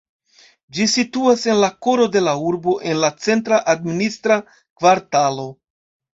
Ĝi situas en la koro de la urbo en la centra administra kvartalo.